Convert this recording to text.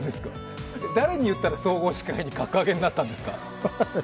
誰に言ったら総合司会に格上げになったんですか？